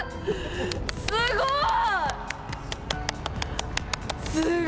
すごい。